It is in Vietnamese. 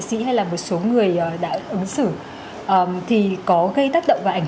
sĩ hay là một số người đã ứng xử thì có gây tác động và ảnh